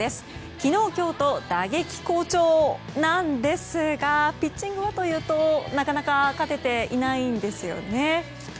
昨日、今日と打撃好調なんですがピッチングはというとなかなか勝てていないんですよね。